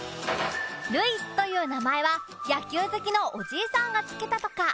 「塁」という名前は野球好きのおじいさんが付けたとか。